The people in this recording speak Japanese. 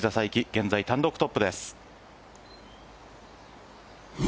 現在、単独トップです。